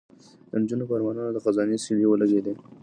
د نجونو په ارمانونو د خزان سیلۍ ولګېده